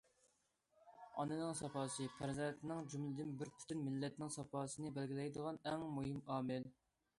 ئانىنىڭ ساپاسى پەرزەنتنىڭ، جۈملىدىن بىر پۈتۈن مىللەتنىڭ ساپاسىنى بەلگىلەيدىغان ئەڭ مۇھىم ئامىل.